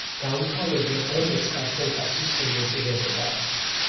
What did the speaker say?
გაუთავებელ ომებს ქართველთა სისხლი ეწირებოდა.